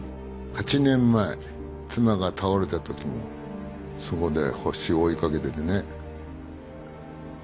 ８年前妻が倒れたときもそこで星を追い掛けていてね。